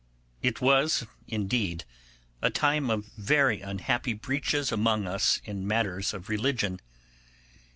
It was, indeed, a time of very unhappy breaches among us in matters of religion.